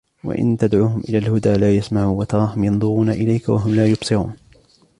وَإِنْ تَدْعُوهُمْ إِلَى الْهُدَى لَا يَسْمَعُوا وَتَرَاهُمْ يَنْظُرُونَ إِلَيْكَ وَهُمْ لَا يُبْصِرُونَ